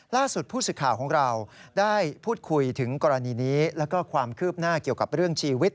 ล่าสุดผู้สื่อข่าวของเราได้พูดคุยถึงกรณีนี้แล้วก็ความคืบหน้าเกี่ยวกับเรื่องชีวิต